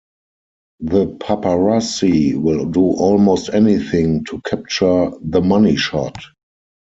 The Paparazzi will do almost anything to capture "the money shot".